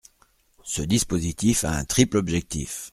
Ce dispositif a un triple objectif.